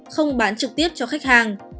không bán trực tiếp cho khách hàng